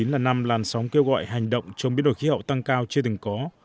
hai nghìn một mươi chín là năm làn sóng kêu gọi hành động chống biến đổi khí hậu tăng cao chưa từng có